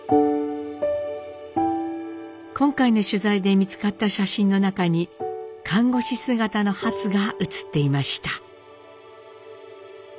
今回の取材で見つかった写真の中に看護師姿のハツが写っていました。